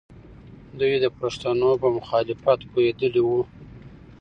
دوی د پښتنو په مخالفت پوهېدلې وو.